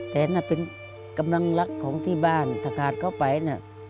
แต่น่ะเป็นกำลังรักของที่บ้านถ้าขาดเข้าไปนะ